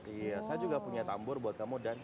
iya saya juga punya tambur buat kamu